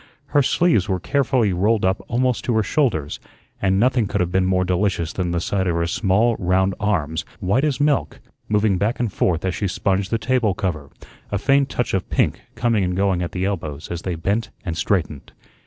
Her sleeves were carefully rolled up almost to her shoulders, and nothing could have been more delicious than the sight of her small round arms, white as milk, moving back and forth as she sponged the table cover, a faint touch of pink coming and going at the elbows as they bent and straightened.